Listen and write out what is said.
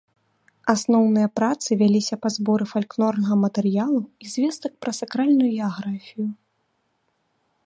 Асноўныя працы вяліся па зборы фальклорнага матэрыялу і звестак пра сакральную геаграфію.